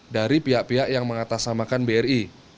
dari pihak pihak yang mengatasnamakan bri